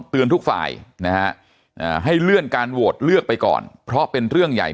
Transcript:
ทุกฝ่ายนะฮะให้เลื่อนการโหวตเลือกไปก่อนเพราะเป็นเรื่องใหญ่